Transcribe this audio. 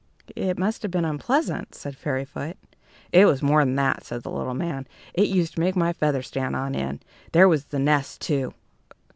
"It must have been unpleasant," said Fairyfoot. "It was more than that," said the little man; "it used to make my feathers stand on end. There was the nest, too!